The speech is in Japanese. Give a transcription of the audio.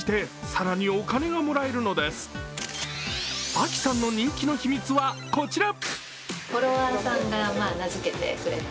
Ａｋｉさんの人気の秘密はこちら。